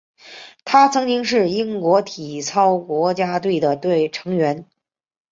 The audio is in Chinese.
他曾经是英国体操国家队的成员。